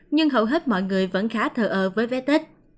nhưng hầu hết mọi người vẫn khá thờ ơ với vé tết